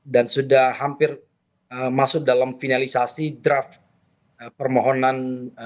dan sudah hampir masuk dalam finalisasi draft permohonan